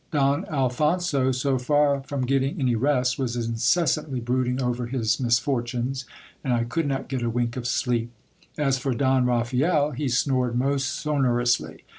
Don Alphonso, so far from getting any rest, was incessantly brooding over his Misfortunes, and I could not get a wink of sleep. As for Don Raphael, he snored most sonorously.